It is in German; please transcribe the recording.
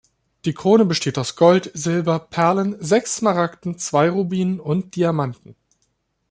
Die Krone besteht aus Gold, Silber, Perlen, sechs Smaragden, zwei Rubinen und Diamanten.